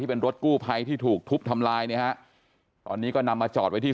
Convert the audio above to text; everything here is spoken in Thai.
เป็นรถกู้ภัยที่ถูกทุบทำลายเนี่ยฮะตอนนี้ก็นำมาจอดไว้ที่